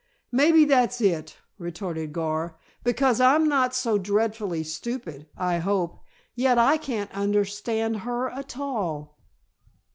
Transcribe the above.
"Maybe that's it," retorted Gar, "because I'm not so dreadfully stupid, I hope, yet I can't understand her a tall."